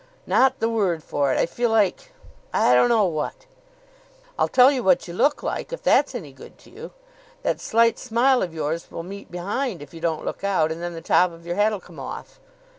"Not the word for it. I feel like I don't know what." "I'll tell you what you look like, if that's any good to you. That slight smile of yours will meet behind, if you don't look out, and then the top of your head'll come off."